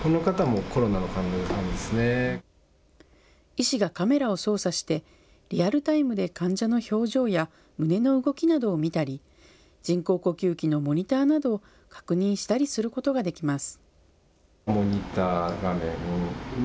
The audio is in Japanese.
医師がカメラを操作してリアルタイムで患者の表情や胸の動きなどを見たり人工呼吸器のモニターなどを確認したりすることができます。